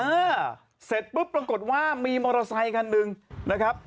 เออเสร็จปุ๊บปรากฏว่ามีมอเตอร์ไซคันหนึ่งนะครับ